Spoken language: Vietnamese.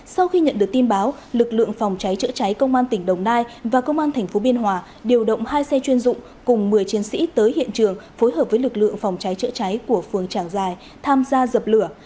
sau khi nhận được tin báo lực lượng phòng cháy chữa cháy công an tỉnh đồng nai và công an tp biên hòa điều động hai xe chuyên dụng cùng một mươi chiến sĩ tới hiện trường phối hợp với lực lượng phòng cháy chữa cháy của phường trảng giải tham gia dập lửa